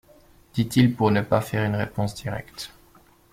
dit-il pour ne pas faire une réponse directe.